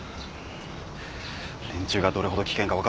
連中がどれほど危険か分かってんだろ？